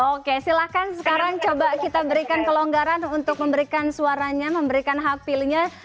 oke silakan sekarang coba kita berikan kelonggaran untuk memberikan suaranya memberikan hapilnya